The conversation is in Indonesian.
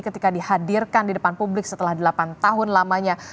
ketika dihadirkan di depan publik setelah delapan tahun lamanya